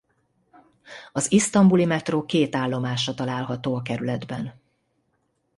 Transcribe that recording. Az isztambuli metró két állomása található a kerületben.